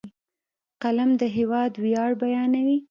قلم د هېواد ویاړ بیانوي